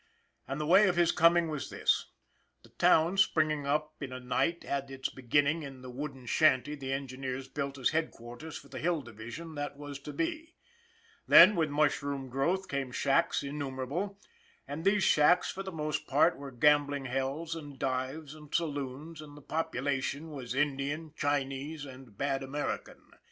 And the way of his coming was this : The town, springing up in a night, had its beginning in the wooden shanty the engineers built as headquarters for the Hill Division that was to be. Then, with mushroom growth, came shacks innumerable; and these shacks, for the most part, were gambling hells and dives and saloons, and the population was Indian, Chinese and bad American.